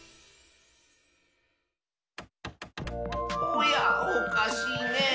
おやおかしいねえ。